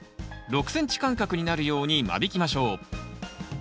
６ｃｍ間隔になるように間引きましょう。